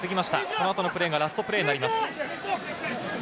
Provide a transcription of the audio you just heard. このあとのプレーがラストプレーとなります。